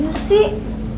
pada ngapain sih